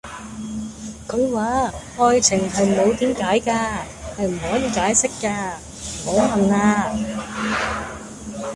佢話:愛情係冇點解架,係唔可以解釋架,唔好問啦